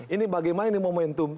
ini bagaimana ini momentum